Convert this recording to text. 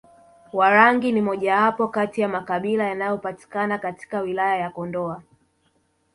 Warangi ni mojawapo kati ya makabila yanayopatikana katika wilaya ya Kondoa